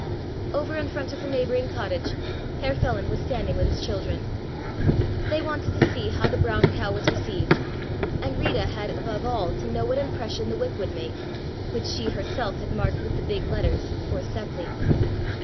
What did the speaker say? Over in front of the neighboring cottage Herr Feland was standing with his children. They wanted to see how the brown cow was received, and Rita had, above all, to know what impression the whip would make, which she herself had marked with the big letters: "For Seppli."